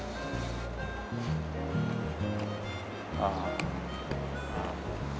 ああ。